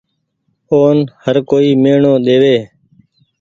اون هر ڪوئي ميڻو ۮيئي۔